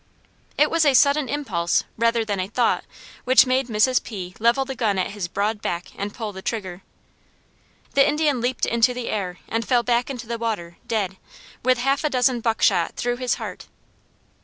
It was a sudden impulse rather than a thought, which made Mrs. P. level the gun at his broad back and pull the trigger. The Indian leaped into the air, and fell back in the water dead, with half a dozen buck shot through his heart.